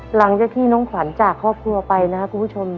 หลังจากที่น้องขวัญจากครอบครัวไปนะครับคุณผู้ชม